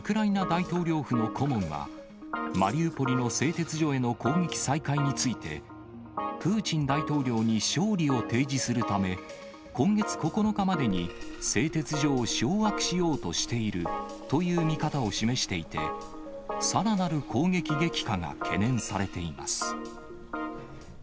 大統領府の顧問は、マリウポリの製鉄所への攻撃再開について、プーチン大統領に勝利を提示するため、今月９日までに製鉄所を掌握しようとしているという見方を示していて、さらなる攻撃激化が懸念されています。